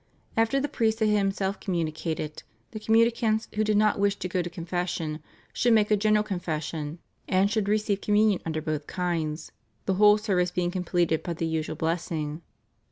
After the priest had himself communicated, the communicants, who did not wish to go to confession, should make a general confession, and should receive Communion under both kinds, the whole service being completed by the usual blessing.